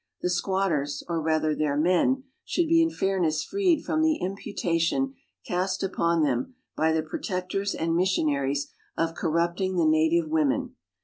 The squatters, or rather their men, should be in fairness freed from the imputation cast upon them by the Protectors and Missionaries of corrupting the native women.